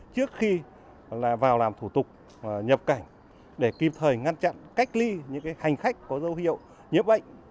trước khi vào làm thủ tục nhập cảnh để kịp thời ngăn chặn cách ly những hành khách có dấu hiệu nhiễm bệnh